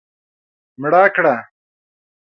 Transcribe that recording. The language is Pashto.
مړه کړه